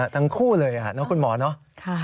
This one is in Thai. ทั้งคู่เลยน้องคุณหมอเนอะ